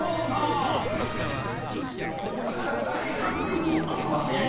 ［タコ漁の朝は早い。